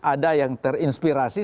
ada yang terinspirasi